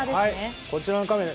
こちらのカメラ。